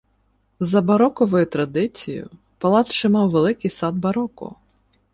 За бароковою традицію палац ще мав великий сад бароко.